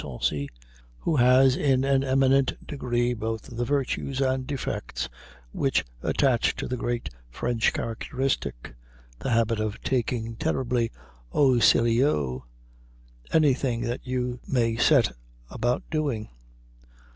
Sarcey, who has in an eminent degree both the virtues and the defects which attach to the great French characteristic the habit of taking terribly au sérieux anything that you may set about doing.